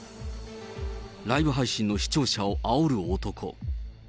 ライブ配信の視聴者をあおる男。